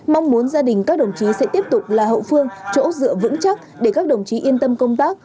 mong muốn gia đình các đồng chí sẽ tiếp tục là hậu phương chỗ dựa vững chắc để các đồng chí yên tâm công tác